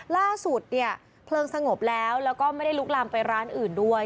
ล่าสุดเนี่ยเพลิงสงบแล้วแล้วก็ไม่ได้ลุกลามไปร้านอื่นด้วย